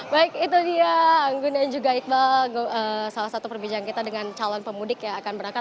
baik itu dia anggun dan juga iqbal salah satu perbincangan kita dengan calon pemudik yang akan berangkat